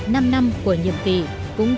năm năm của nhiệm kỳ cũng chính là lúc này